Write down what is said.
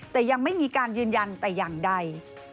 แต่ยังไม่มีการยืนยันแต่อย่างใด